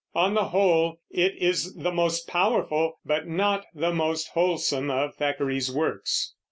On the whole, it is the most powerful but not the most wholesome of Thackeray's works.